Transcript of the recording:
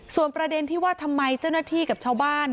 ส่วนประเด็นที่ว่าทำไมเจ้าหน้าที่กับชาวบ้าน